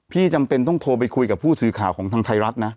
จำเป็นต้องโทรไปคุยกับผู้สื่อข่าวของทางไทยรัฐนะ